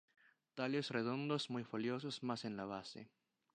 Tallos redondos, muy foliosos, más en la base.